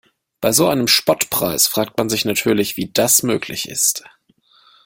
Bei so einem Spottpreis fragt man sich natürlich, wie das möglich ist.